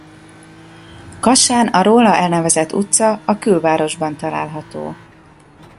Kassán a róla elnevezett utca a külvárosban található.